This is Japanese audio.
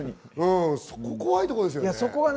怖いところですよね。